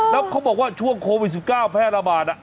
แล้วเขาบอกว่าช่วงโควิด๑๙แพร่ระบาด